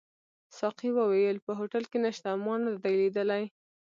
ساقي وویل: په هوټل کي نشته، ما نه دي لیدلي.